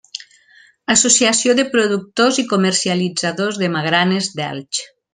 Associació de Productors i Comercialitzadors de Magranes d'Elx.